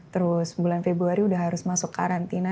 terus bulan februari udah harus masuk karantina